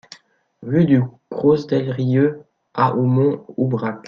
Rue du Cros Del Rieu à Aumont-Aubrac